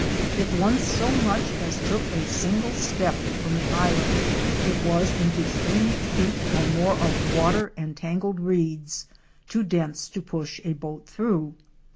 If one so much as took a single step from the island, it was into three feet or more of water and tangled reeds, too dense to push a boat through.